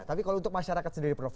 tapi kalau untuk masyarakat sendiri prof